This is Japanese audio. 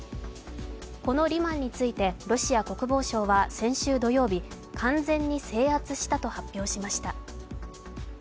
このリマンについてロシア国防省は先週土曜日、完全に制圧したと発表しました。